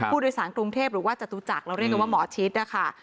ผู้โดยสารกรุงเทพหรือว่าจตุจักรเราเรียกว่าหมอชิดนะค่ะ